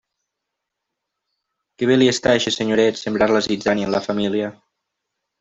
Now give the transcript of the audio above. Que bé li està a eixe senyoret sembrar la zitzània en la família!